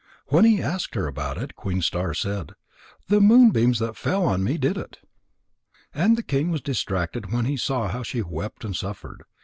When he asked her about it, Queen Star said: "The moonbeams that fell on me did it." And the king was distracted when he saw how she wept and suffered.